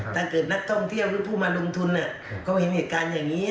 ถ้าเกิดนักท่องเที่ยวหรือผู้มาลงทุนเขาเห็นเหตุการณ์อย่างนี้